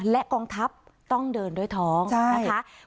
และกองทัพต้องเดินด้วยท้องนะคะ